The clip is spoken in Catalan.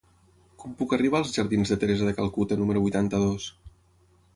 Com puc arribar als jardins de Teresa de Calcuta número vuitanta-dos?